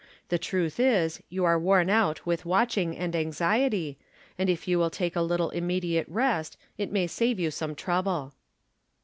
The truth is, you are worn out with watching and anxiety, and if you will take a little immediate rest it may save you some trouble."